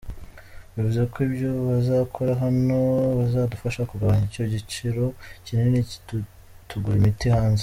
Bivuze ko ibyo bazakora hano bizadufasha kugabanya icyo giciro kinini tugura imiti hanze.